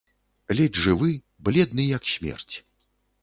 Ледзь жывы, бледны як смерць.